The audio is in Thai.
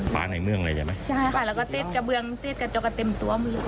ในเมืองเลยใช่ไหมใช่ค่ะแล้วก็เต็ดกระเบืองเต็ดกระจกกันเต็มตัวหมดเลย